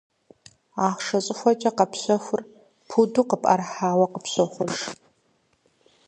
Ахъшэ щӏыхуэкӏэ къэпщэхур пуду къыпӏэрыхьауэ къыпщохъу.